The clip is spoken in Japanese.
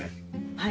はい。